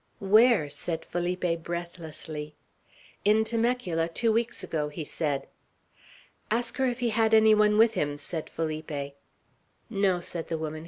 "Where?" said Felipe, breathlessly. "In Temecula, two weeks ago," he said. "Ask her if he had any one with him," said Felipe. "No," said the woman.